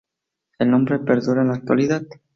El nombre perdura en la actualidad.